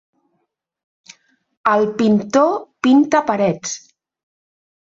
El pintor pinta parets.